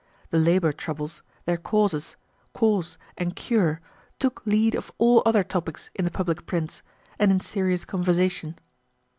The labor troubles, their causes, course, and cure, took lead of all other topics in the public prints, and in serious conversation.